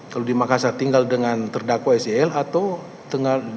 kalau di makassar tinggal dengan terdakwa sel atau di rumah ibu saudara